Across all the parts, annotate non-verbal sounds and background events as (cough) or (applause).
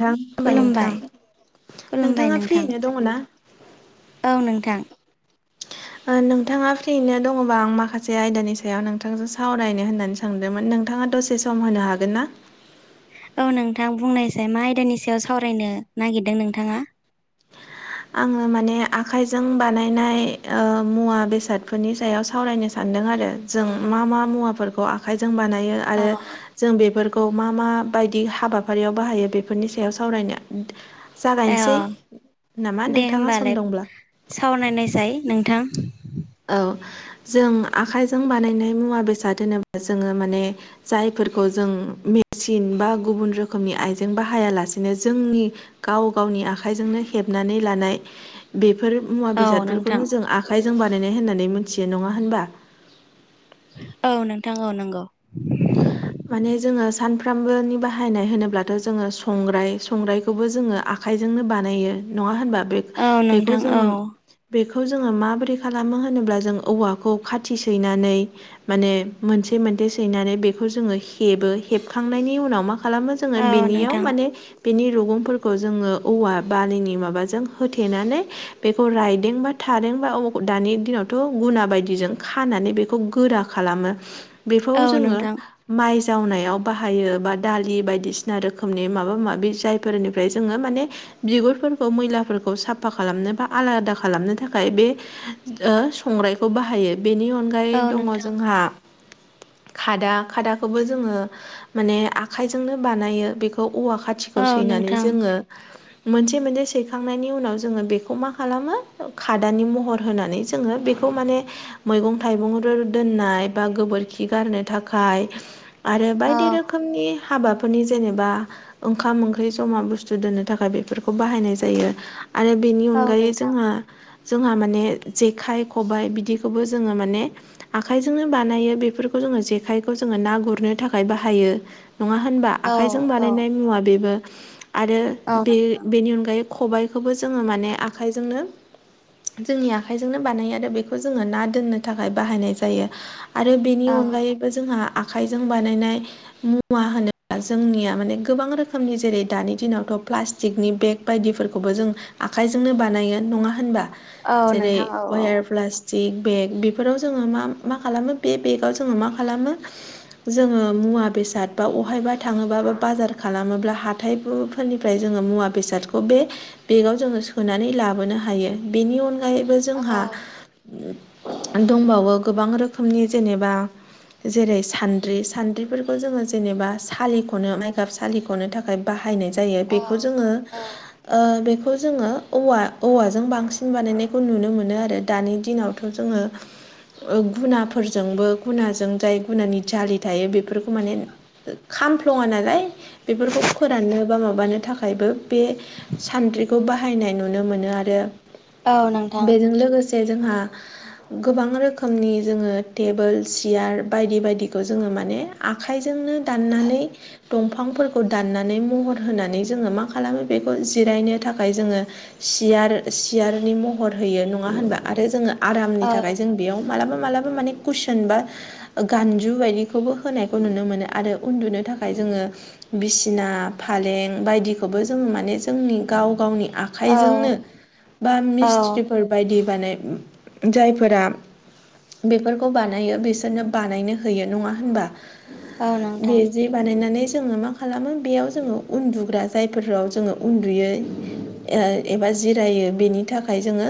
नोंथां हबाय नोंथां खुलुमबाय खुलुमबाय नोंथाङा नोंथां फ्रियैनो दङ ना? औ नोंथां। नोंथाङा फ्रिनो दङबा आं माखासे आयदानि सायाव नोंथांजों सावरायनो होननानैसो थांदोंमोन नोंथाङा दसे सम होनो हागोन ना? औ नोंथां बुंनायसै मा आयदानि सायाव सावरायनो नागिरदों नोंथाङा। आङो माने आखाइजों बानायनाय मुवा बेसादफोरनि सायाव सावरायनो सानदों आरो। जों मा मा मुवाफोरखौ आखाइजों बानायो अ आरो जों बेफोरखौ मा माबायदि हाबाफारियाव बाहायो बेफोरनि सायाव सावरायनाया ए अ जागायनोसै नामा दे नोंथाङा सम होमबालाय दंब्ला सावरायनायसाय नोंथां। औ जों आखाइजों बानायनाय मुवा बेसाद होनोबा जोङो माने जायफोरखौ जों मेचिन बा गुबुन रोखोमनि आइजें बाहायालासेनो जोंनि गाव गावनि आखाइजोंनो हेबनानै लानाय बेफोर मुवा औ नोंथां बेसादफोरखौनो जों आखाइजों बानायनाय होननानै मिथियो नङा होनबा। औ नोंथां औ नंगौ। माने जोङो सानफ्रामबोनि बाहायनाय होनोब्लाथ' जोङो संग्राय संग्रायखौबो जोङो आ आखाइजोंनो बानायो नङा होनबा बे औ बेखौ नोंथां औ जोङो बेखौ जोङो माबोरै खालामो होनोब्ला जों औवाखौ खाथि सैनानै माने मोनसे मोनसे सैनानै बे बेखौ जोो हेबो हेबखांनायनि उनाव मा खालामो जोङो औ बेनियाव नोंथां माने बिनि रुगुंफोरखौ जोङो औवा बालिनि माबाजों होथेनानै बेखौ रायदों बा थादों बा अ दानि दिनावथ' गुना बायदिजों खानानै बेखौ गोरा खालामो बेखौ औ जोङो नोंथां माइ जावनायाव बाहायो बा दालि बायदिसिना रोखोमनि माबा माबि जाय फोरनिफ्राय जोङो माने बिगुरफोरखौ मैलाफोरखौ साफा खालामनो बा आलादा खालामनो थाखाय बे संग्राइखौ बाहायो बेनि अनगायै औ आंगाय दङ नोंथां जोंहा खादा खादाखौबो जो माने आखाइजोंनो बानायो बेखौ औवा खाथिखौ औ सैनानै नोंथां जोङो मोनसे मोनसे सैखांनायनि उनाव जोङो बेखौ मा खालामो खादानि महर होनानै जोङो बेखौ खौ माने मैगं थाइगं दोननाय बबा गोबोरखि गारनो थाखाय। थाखाय आरो औ बायदि रोखोमनि हाबाफोरनि जेनेबा ओंखाम ओंख्रि जमा बुस्थु दोननो थाखाय बेफोरखौ बाहायनाय जायो। आरो बेनि औ अनगायै नोंथां जोंहा जोंहा माने जेखाइ खबाइ बिदिखौबो जोङो माने आखायजोंनो बानायो बेफोरखौ जोङो जे जेखायखौ जोङो ना गुरनो थाखाय बाहायो नङा होनबा औ आखाइजों औ बानायनाय मुवा बेबो आरो औ बे नोंथां बेनि अनगायै खबाइखौबो जोङो माने आखाइजोंनो जोंनि आखाइजोंनो बानायो आरो बेखौ जोङो ना दोननो थाखाय बाहायनाय जायो। आरो बेनि औ अनगायैबो जोंहा आखाइजों बानायनाय मुवा होनोब्ला जोंनिया माने गोबां रोखोमनि जेरै दानि दिनावथ' प्लास्टिक पटिकनि बेग बायदिफोरखौबो जों आखाइजोंनो बानायो नङा होनबा? औ जेरै नोंथां औ वायार प्लास जे बेग बेफोराव जोङो मा मा खालामो बे बेगाव जोङो मा खालामो जोङो मुवा बेसाद बा बबहायबा थाङोबा बा बाजार खालामोब्ला हा हाथाइफोरनिफ्राय जोङो मुवा बेसादखौ बे बेगाव जोङो सोनानै लाबोनो हायो बेनि अनगायैबो औ जोंहा दंबावो गोबां रोखोमनि जेनेबा जेरै सान्द्रि सान्द्रिफोरखौ जोङो जेनेबा सालिख'नो माइ गाब सालिखनो थाखाय बाहायनाय जायो औ बेखौ जोङो औ बेखौ जोङो औव औवाजों बांसिन बानायनायखौ नुनो मोनो आरो दानि दिनाव थ' जोङो गुना फोरजोंबो जाय गुनानि जलि थायो बेफोरखौ माने खामफ्लङा नालाय बेफोरखौ फोराननो बा माबानो थाखायबो बे सान्द्रिखौ बाहायनाय नुनो मोनो आरो औ नोंथां बेजों लोगोसे जे जोंहा गोबां रोखोमनि जोङो टेबोल सियार बायदि बायदिखौ जोङो माने आखाइजोंनो दाननानै दंफांफोरखौ दाननानै महर होनानै जोङो मा खालामो बेखौ जिरायनो थाखाय जोङो। सियार सियारनि महर होयो नङा होनबा आरो जोङो आरामनि औ थाखाय जों बेयाव मालाबा मालाबा माने कुइसन बा गानजु बायदिखौबो होनायखौ नुनो मोनो आरो उन्दुनो थाखाय जोङो। बिसिना फालें बायदिखौबो जोङो माने जोंनि गाव गावनि आख औ आखाइजोंनो बा औ मिस्ट्रि फोरबायायदि बानाय जायफोरा बेफोरखौ बानायो बिसोरनो बानायनो होयो नङा होनबा औ नोंथां बे बानायनानै जोङो मा खालामो बेयाव जोङो उन्दुग्रा जायफोराव जोङो उन्दुयै एबा जिरायो बेनि थाखाय जोङो।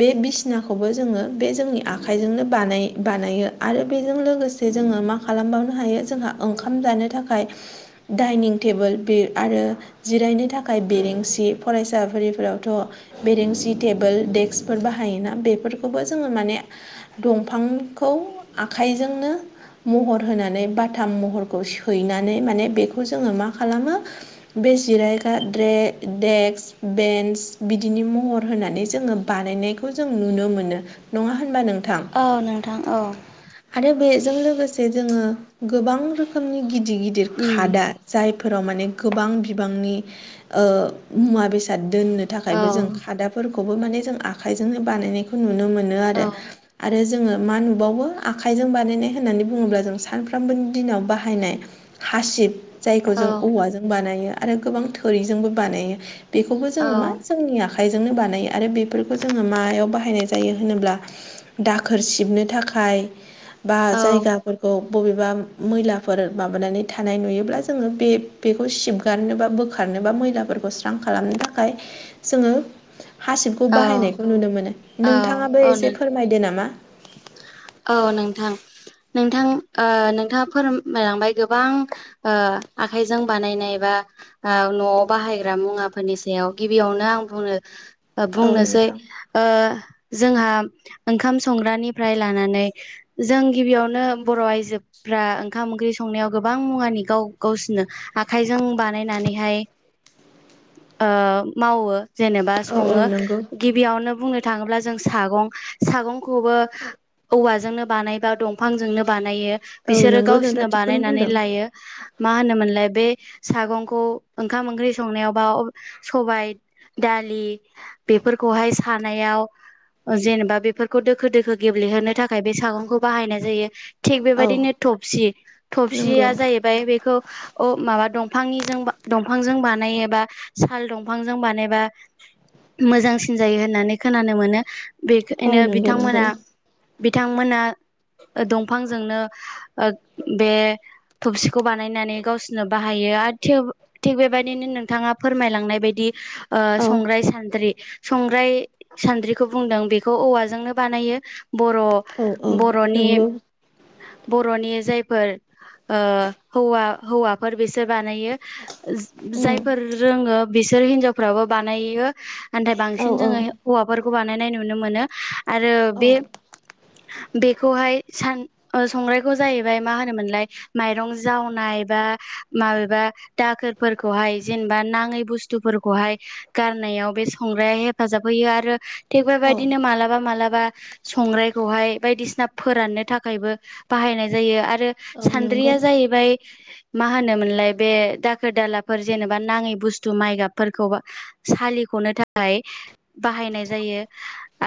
बे बिसिनाखौबो जोङो बे जोंनि आखाइजोंनो बानाय बानायो आरो। बेजों लोगोसे जोङो मा खालामबावनो हायो जोंहा ओंखाम जानो थाखाय। डाइनिं टेबोल बे आरो जिरायनो थाखाय बेरेंसि फरायसाफोरफोरावथ' बेरेंसि टेबोल दडेक्सफोर बाहायोना बेफोरखौबो जोङो माने दंफांखौ आखाइजोंनो महर होनानै बाथाम महरखौ सैनानै माने बेखौ जोङो मा खालामो बे जिरायग्राे देक्स बेन्स बिदिनि महर होनानै जोङो बानायनायखौ जों नुनो मोनो नङा होनबा नोंथां औ नोंथां औ आरो बेजों लोगोसे जोङो गोबां रोखोमनि गिदिर गिदिर उम खादा जायफोराव माने गोबां बिबांनि मुवा बेसाद दोननो औ थाखायबो जों खादाफोरखौबो माने जों आखाइजोंनो बानायनायखौ नुनो मोनो आरो आरो जोङो मा नुबावो आखाइजों बानायनाय होन्नानै बुङोब्ला जों सानफ्रामबोनि दिनाव बाहायनाय हासिब जायखौ औ जों औवाजों बानायो आरो गोबां थोरिजोंबो बानायो बेखौबो जोङो मा जोंनि आखायाव आखाइजोंनो बानायो आरो बेफोरखौ जोङो मायाव बाहायनाय जायो होनोब्ला। दाखोर सिबनो थाखाय बा औ जायगा फोरफोरखौ बबेबा मैलाफोर माबानानै थानाय नुयोब्ला जोङो बे बेखौ सिब हगारनो बा बोखारनोबा मैलाफोरखौ स्रां खालामनो थाखाय जोङो हासिबखौ औ बाहायनायखौ नुनो मोनो औ नोंथाङाबो औ एसे नों फोरमायदो नामा औ नोंथां नोंथां नोंथाङा फोरमायलांबाय गोबां आखाइजों बानायनाय बा न'आव बाहायग्रा मुवाफोरनि सायाव गिबियावनो आं बुंनो औ बुंनोसै नोंथां जोंहा ओंखाम संग्रानिफ्राय लानानै जों गिबियावनो बर' आइजो फ्रा ओंखाम ओंख्रि संनायाव गोबां मुवानि गाव गावसिनो आखाइजों बानायनानैहाय मावो जेनेबा औ औ सङो नंगौ गिबियावनो बुंनो थाङोब्ला जों सागं सागं खौबो औवाजोंनो बानायबा दंफांजोंनो बानायो औ बिसोरो नंगौ गावसिोरनो नोंथाङा थिगखौनो बानायनानै बुंदों लायो मा होनोमोनलाय बे सागंखौ ओंखाम ओंख्रि संनायावबा सबाय दालि बेफोरखौहाय सानायाव जेनेबा बे खौ दोखो दोखो गेब्लेहोनो थाखाय बे सागंखौ बाहायनाय जायो थिग औ बेबायदिनो थबसि नंगौ थबसिया जाहैबाय बेखौ अ माबा दंफांनिजों दंफांजों बानायबा साल दंफांजों बानायोबा मोजांसिन जायो होननानै खोनानो मोनो औ बेखायनो नंगौ नंगौ बिथांमोना बिथांमोना दंफांजोंनो बे थबसिखौ बानायनानै गावसोरनो बाहायो आरो थेवबो थिग बेबायदिनो नोंथाङा फोरमायलांनाय बायदि औ संग्राय सान्द्रि संग्राय सान्द्रिखौ बुंदों बेखौ औवाजोंनो बानायो बर' औ औ बर'नि नंगौ बर'नि जायफोर हौवा हौवाफोर बिसोर बानायो उम जायफोर रोङो बिसोर हिनजावफ्राबो बानायो नाथाय औ बांसिन औ जोङो हौवाफोरखौ बानायनाय नुनो मोनो आरो औ बे बेखौहाय सान संग्रायखौ जाहैबाय मा होनोमोनलाय माइरं जावनाय बा माबेबा दाखोरफोरखौहाय जेनेबा नाङै बुस्थुफोरखौहाय गारनायाव बे संग्राया हेफाजाब होयो आरो थिग औ बेबायदिनो मालाबा मालाबा संग्रायखौहाय बायदिसिना फोराननो थाखायबो बाहायनाय जायो आरो औ नंगौ सान्द्रिया जाहैबाय मा होनोमोनलाय बे दाखोर दालाफोर जेनेबा नाङै बुस्थु माइ गाबफोरखौ सालिख'नो थाखाय बाहायनाय जायो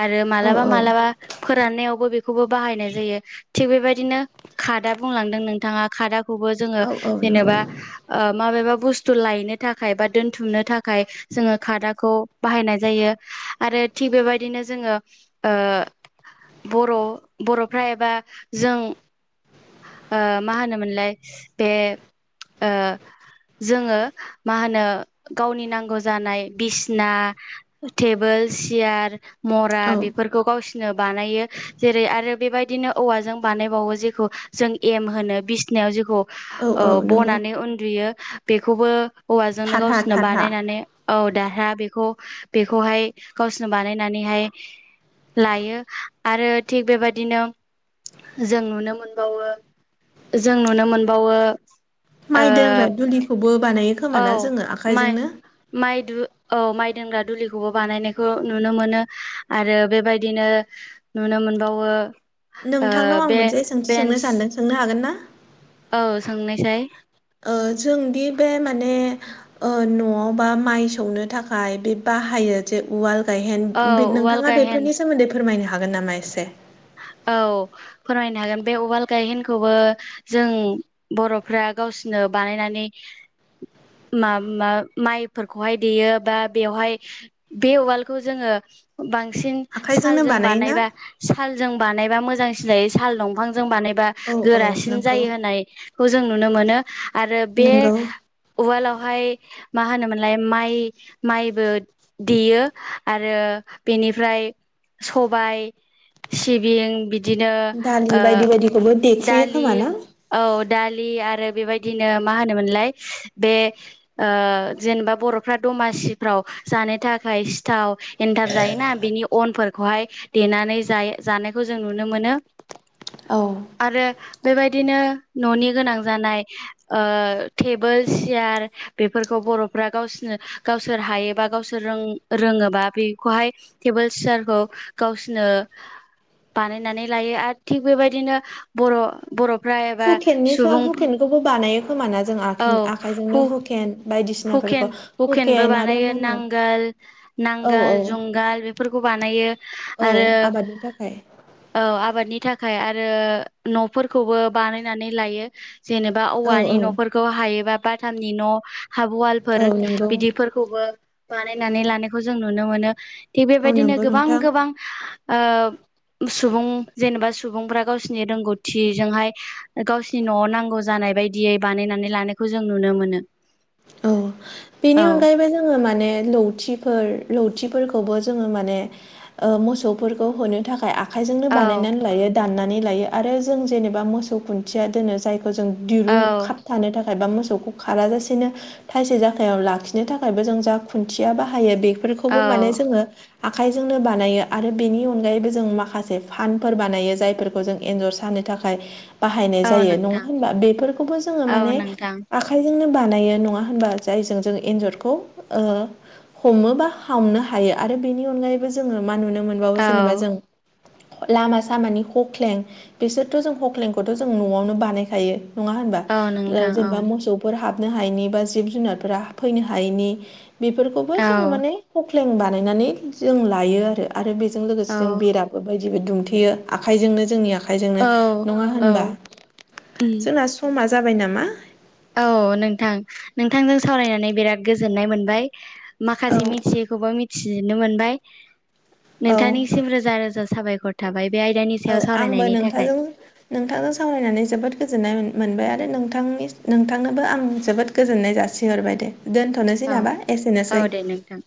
आरो औ मालाबा औ मालाबा। फोराननायावबो बेखौबो बाहायनाय जायो थिग बेबायदिनो कादा बुंलांदों नोंथाङा कारादा खौबो जोङो औ औ जेनेबा नंगौ माबेबा बुस्थु लायनो थाखाय बा दोनथुमनो थाखाय। जोङो खादाखौ बाहायनाय जायो आरो थिग बेबायदिनो जोङो बर' बर'फ्रा एबा जों मा होनोमोनलाय बे ओ (inaudible) जोङो मा होनो गावनि नांगौ जानाय बिसिना टेबोल सियार मरा औ बेफोरखौ गावसिोरनो बानायो जेरै आरो बेबायदिनो औवाजों बानायबावो जेखौ। जों एम होनो बिसिनायाव जेखौ औ औ नंगौ बनानै उन्दुयो बेखौबो हौवाजोंनो थारहा गावसोरनो थारहा बानायनानै औ दारहा बेखौ बेखौहाय गावसोरनो बानायनानैहाय। लायो आरो थिग बेबायदिनो जों नुनो मोनबावो जों नुनो मोनबावो ओ माइ दग्रा दुलिखौबो बानायो औ खोमाना जोङो माइ आखाइजोंनो माइु औ माइ दोनग्रा दुलिखौबो बानायनायखौ नुनो मोनो आरो बेबायदिनो। नुनो मोनबावो ओ नोंथांनाव आं बे मोनसे सोंथि बेन्स सोंनो सानदों सोंनो हागोन ना औ सोंनोसै जोंदि बे माने न'आवबा माइ सौनो थाखाय बे बाहायो मोने उवाल गायहेन औ उवाल नोंथाङा गायहेन बेफोरनि सोमोन्दै फोरमायनो हागोन नामा एसे औ फोरमायनो हागोन बे उवाल गायहेनखौबो जों बर'फ्रा गावसिोरनो बानायनानै म मा माइफोरखौहाय देयो बा बेवहाय बे उवालखौ जोङो बांसिन आखाइजोंनो सालजों बानायोना बानायबा सालजों बानायबा मोजांसिन जायो साल दंफांजों बानायबा औ औ गोरासिन नंगौ जायो होननाय। खौ जों नुनो मोनो आरो बे नंगौ उवालावहाय मा होनोमोनलाय माइ माइबो। देयो आरो बेनिफ्राय सबाय। सिबिं बिदिनो दालि बायदि बायदिखौबो देफुयो दालि खोमा ना औ दालि आरो बेबायदिनो मा होनोमोनलाय बे जेनेबा बर'फ्रा दमासिफ्राव जानो थाखाय सिथाव एनथाब जायोना बिनि अनफोरखौहाय देनानै ज जानायखौ जों नुनो मोनो। औ आरो बेबायदिनो न'नि गोनां जानाय टेबोलस। सियार बेफोरखौ बर'फ्रा गावसोरनो गावसोर हायोबा गावसोर रों रोङोबा बेखौहाय टेबोल सियारखौ गावसोरनो। बानायनानै लायो आरो थिग बेबायदिनो बर' बर'फ्रा एबा सुबुं बेखौबो बानायो खोमाना जों आ आखाइजोंनो हुकेन बायदिसिनाफोरखौ हुकेन हुकेनबो हुकेन आरो बानायो मा होनो नांगोल औ औ नांगोल जुंगाल बे फोरखौ बानायो औ आरो आबादनि थाखाय औ आबादनि थाखाय आरो न'फोरखौबो बानायनानै लायो जेनेबा औ औवानि औ न'फोरखौ हायोबा बाथामनि न' औ हावालफोर नंगौ बिदि खौबो बानायनानै लानायखौ जों नुनो मोनो थिग औ बेबायदिनो नंगौ गोबां नोंथां गोबां। आ सुबुं जेनेबा सुबुंफ्रा गावसिनि रोंगौथिजोंहाय गाव न'आव नांगौ जानाय बायदियै बानायनानै लानायखौ जों नुनो मोनो औ बेनि औ अनगायैबो जोङो माने लौ लावथि लावथिफोरखौबो जोङो माने मोसौफोरखौ होनो थाखाय आ आखाइजोंनो औ बानायनानै लायो दाननानै लायो आरो जों जेननोबा मोसौ खुन्थिया दोनो जाय जों दिरुं औ खाबथानो थाखाय बा मोसौखौ खार जासेनो थसे ज आखायाव लाखिनो थाखायबो जों जा खुन्थिया बाहायो बेफोरखौबो माने औ जोङो आखाइजोंनो बानायो आरो बेनि अनगायैबो जों माखासे फानफोर बानायो जायफोरखौ जों एन्जर सानो थाखाय गाय बाहायनाय औ जायो नङा नोंथां होनबा बेफोरखौबो जोङो औ माने नोंथां आखाइजोंनो बानायो नङा होनबा जायजों जों एन्जरखौ हमो बा हामनो हायो आरो बेनि अनगायैबो जोङो मा नुनो मोनबावो औ जेनेबा जों लामा सामाानि हख्लें बिसोरथ' जों खख्लेंखौथ' जों न'आवनो बानायखायो नङा होनबा औ नोंथां औ जेनेबा मोसौ हाबनो हायनि बा जिब जुनारफोरा फैनो हायैनि बेफोरखौबो औ जों माने फ्लें बानायनानै जों लायो आरो आरो बेजों औ लोगोसे जों बेराबो बाय जेबो दुमथेयो आखाइजोंनो जोंनि आखाइजोंनो नङा औ औ होनबा उम जोंना समा जाबाय नामा औ नोंथां नोंथांजों सावरायनानै बिराद गोजोननाय मोनबाय माखासे मिथि बे खौबो मिथिनो मोनबाय औ औ नोंथांनिसिम रोजा रोजा साबायखर थाबाय बे आयदानि औ सायाव आंबो सावरायनायनि थाखाय नोंथांजों नोंथांजों सावरायनानै जोबोद गोजोननाय मोनबाय आरो नोंथांनि नोंथांनोबो आं जोबोद गोजोननाय जासिहरबाय दे दोनथ'नोसै औ नाबा औ एसेनोसै दे नोंथां